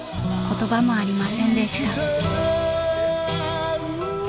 言葉もありませんでした］